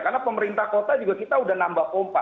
karena pemerintah kota juga kita sudah nambah pompa